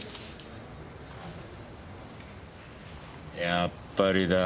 やっぱりだ。